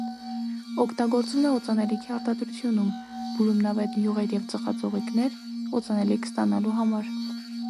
Օգտագործվում է օծանելիքի արտադրությունում՝ բուրումնավետ յուղեր և ծխաձողիկներ, օծանելիք ստանալու համար։